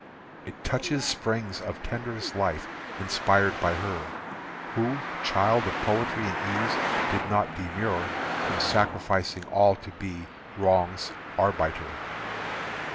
It touches springs of tenderest life Inspired by her, Who, child of poetry and ease, Did not demur From sacrificing all to be Wrong's arbiter.